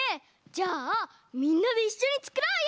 じゃあみんなでいっしょにつくろうよ！